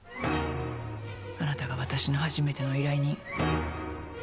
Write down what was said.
あなたが私の初めての依頼人。